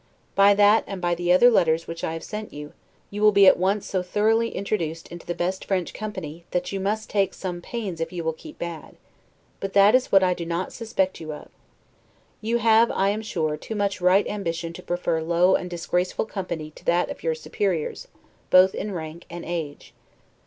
By that, and by the other letters which I have sent you, you will be at once so thoroughly introduced into the best French company, that you must take some pains if you will keep bad; but that is what I do not suspect you of. You have, I am sure, too much right ambition to prefer low and disgraceful company to that of your superiors, both in rank and age.